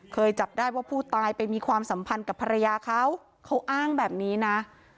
จับได้ว่าผู้ตายไปมีความสัมพันธ์กับภรรยาเขาเขาอ้างแบบนี้นะ